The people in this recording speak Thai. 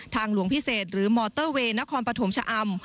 หลวงพิเศษหรือมอเตอร์เวย์นครปฐมชะอำ